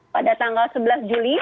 pada tanggal sebelas juli